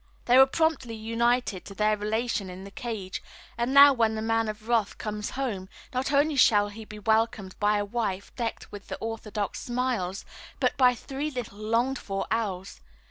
These were promptly united to their relation in the cage, and now when the Man of Wrath comes home, not only shall he be welcomed by a wife decked with the orthodox smiles, but by the three little longed for owls.